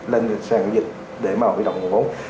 lên sàn dịch để mà hủy động nguồn vốn